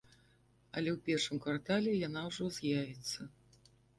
Але ў першым квартале яна ўжо з'явіцца.